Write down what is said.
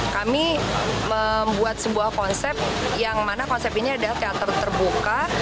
kami membuat sebuah konsep yang mana konsep ini adalah teater terbuka